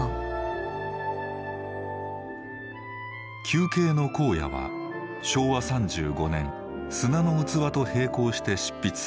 「球形の荒野」は昭和３５年「砂の器」と並行して執筆されました。